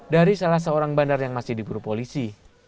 dari salah seorang bandar yang masih diburu polisi